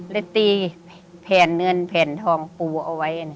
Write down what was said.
ตีแผ่นเงินแผ่นทองปูเอาไว้